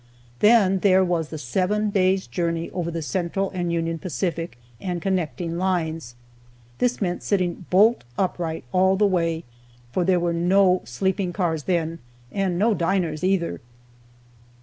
Then there was the seven days' journey over the Central and Union Pacific and connecting lines; this meant sitting bolt upright all the way, for there were no sleeping cars then, and no diners either.